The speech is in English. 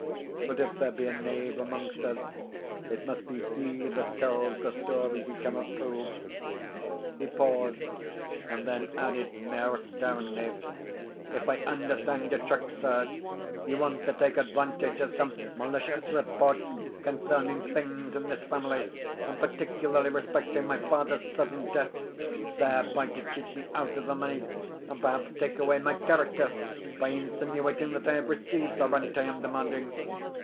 But if there be a knave among us, it must be he that tells the story he cannot prove." He paused, and then added, mair sternly: "If I understand your trick, sir, you want to take advantage of some malicious reports concerning things in this family, and particularly respecting my father's sudden death, thereby to cheat me out of the money, and perhaps take away my character by insinuating that I have received the rent I am demanding.